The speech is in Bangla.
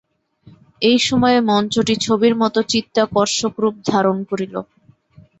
এই সময়ে মঞ্চটি ছবির মত চিত্তাকর্ষক রূপ ধারণ করিল।